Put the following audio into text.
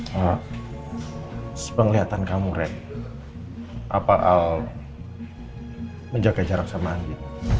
pak sepenglihatan kamu ren apa aw menjaga jarak sama anggi